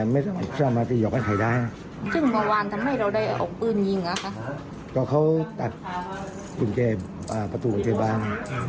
ไม่สุดฮะปฏิเสธไม่สุดอ่ะคือตัดขุนแก่ประตูกางเกดบ้าน